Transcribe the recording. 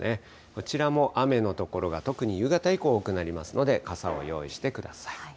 こちらも雨の所が、特に夕方以降、多くなりますので、傘を用意してください。